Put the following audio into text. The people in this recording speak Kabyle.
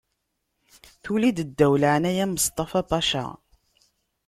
Tuli-d ddaw leɛnaya n Mustafa Paca.